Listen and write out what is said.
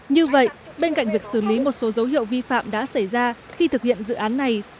như vậy bên cạnh việc xử lý một số dấu hiệu vi phạm đã xảy ra khi thực hiện dự án này